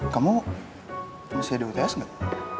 kamu masih ada uts enggak